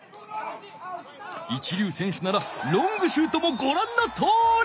いちりゅう選手ならロングシュートもごらんのとおり！